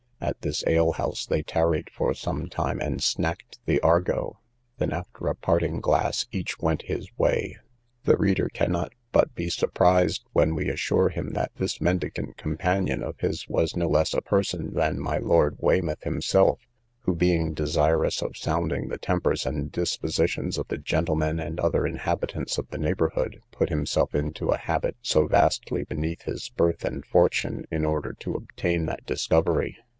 At this alehouse they tarried for some time, and snacked the argot; then, after a parting glass, each went his way. The reader cannot but be surprised when we assure him that this mendicant companion of his was no less a person than my Lord Weymouth himself, who, being desirous of sounding the tempers and dispositions of the gentlemen and other inhabitants of the neighbourhood, put himself into a habit so vastly beneath his birth and fortune, in order to obtain that discovery.